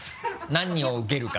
何を受けるか？